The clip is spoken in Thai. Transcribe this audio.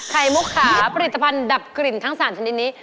มุกขาผลิตภัณฑ์ดับกลิ่นทั้ง๓ชนิดนี้